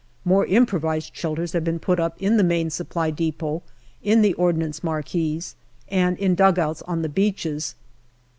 More im provised shelters have been put up in the Main Supply depot, in the Ordnance marquees, and in dugouts on the beaches.